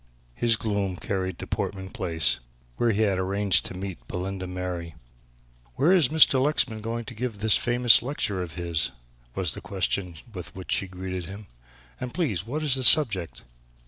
His gloom carried to Portman Place, where he had arranged to meet Belinda Mary. "Where is Mr. Lexman going to give this famous lecture of his?" was the question with which she greeted him, "and, please, what is the subject?"